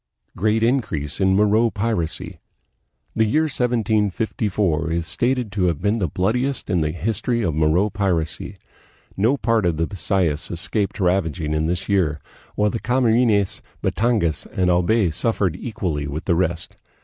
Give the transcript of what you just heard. Great Increase in Moro Piracy. The year 1754 is stated to have been the bloodiest in the history of Moro piracy. No part of the Bisayas escaped ravaging in this year, while the Camarines, Batangas, and Albay suffered equally with the rest.